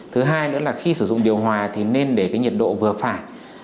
thứ hai nữa là khi sử dụng điều hòa thì nên để cái nhiệt độ vừa phải